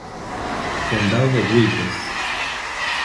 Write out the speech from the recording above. Condado de Wilkes